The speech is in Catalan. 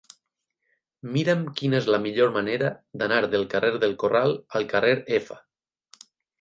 Mira'm quina és la millor manera d'anar del carrer del Corral al carrer F.